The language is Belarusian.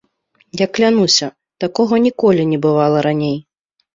Я клянуся, такога ніколі не бывала раней.